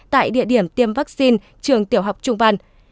tại địa điểm tiêm vaccine trường tiểu học trung văn